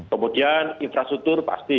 kemudian infrastruktur pasti